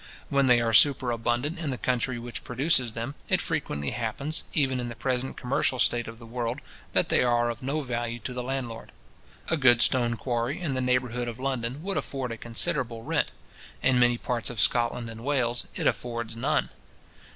When they are superabundant in the country which produces them, it frequently happens, even in the present commercial state of the world, that they are of no value to the landlord. A good stone quarry in the neighbourhood of London would afford a considerable rent. In many parts of Scotland and Wales it affords none.